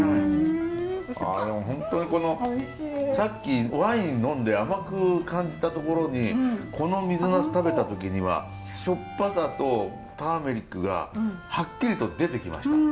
ああでも本当にさっきワイン呑んで甘く感じたところにこの水ナス食べた時にはしょっぱさとターメリックがはっきりと出てきました。